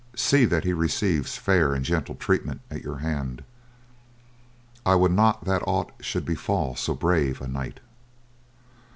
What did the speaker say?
See that he receives fair and gentle treatment at your hand. I would not that aught should befall so brave a knight."